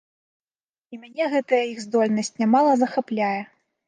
І мяне гэтая іх здольнасць нямала захапляе.